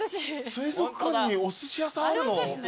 水族館におすし屋さんあるの？